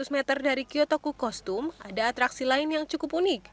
lima ratus meter dari kiotoku kostum ada atraksi lain yang cukup unik